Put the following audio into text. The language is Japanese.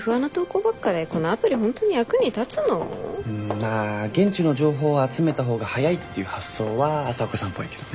まあ現地の情報を集めた方が早いっていう発想は朝岡さんっぽいけどね。